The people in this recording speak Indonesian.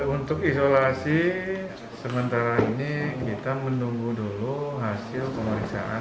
untuk isolasi sementara ini kita menunggu dulu hasil pemeriksaan